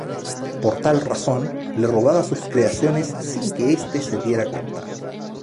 Por tal razón, le robaba sus creaciones sin que este se diera cuenta.